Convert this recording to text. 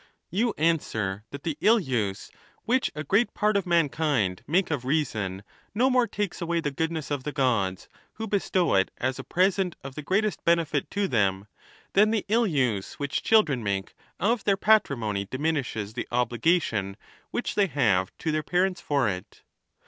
XXVIII. You answer that the ill use which a great part of mankind make of reason no more takes away the goodness of the Gods, who bestow it as a present of the greatest benefit to them, than the ill use which children make of their patrimony diminishes the obligation which they have to their parents for it.